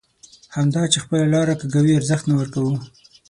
همدا چې خپله لاره کږوي ارزښت نه ورکوو.